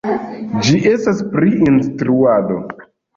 Ĝi estas pri instruado.